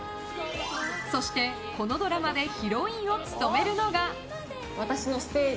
そして、このドラマでヒロインを務めるのが。